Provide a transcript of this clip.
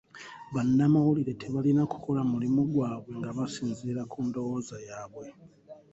Bannamawulire tebalina kukola mulimu gwabwe nga basinziira ku ndowooza yaabwe.